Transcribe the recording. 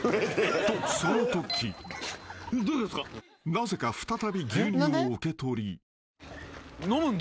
［なぜか再び牛乳を受け取り］